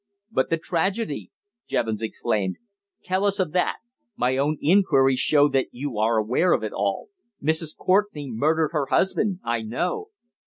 "But the tragedy?" Jevons exclaimed. "Tell us of that. My own inquiries show that you are aware of it all. Mrs. Courtenay murdered her husband, I know."